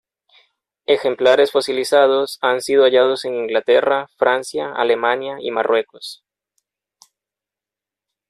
Ejemplares fosilizados han sido hallados en Inglaterra, Francia, Alemania, y Marruecos.